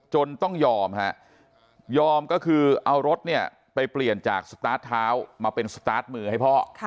จนต้องยอมฮะยอมก็คือเอารถเนี่ยไปเปลี่ยนจากสตาร์ทเท้ามาเป็นสตาร์ทมือให้พ่อ